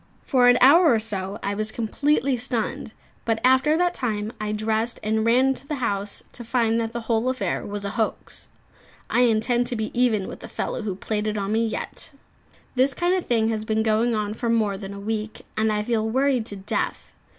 For an hour or so I was completely stunned; but after that time I dressed and ran to the house, to find that the whole affair was a hoax. I intend to be even with the fellow who played it on me, yet. This kind of thing has been going on for more than a week, and I feel worried to death.